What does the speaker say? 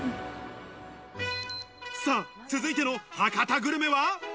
続いての博多グルメは。